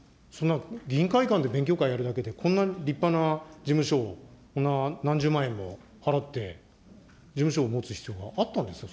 そんな議員会館で勉強会やるだけで、こんな立派な事務所を、こんな何十万円も払って、事務所を持つ必要があったんですか。